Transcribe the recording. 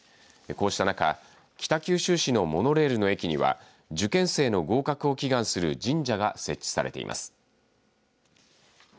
こうした中、北九州市のモノレールの駅には受験生の合格を祈願する神社が設置されています。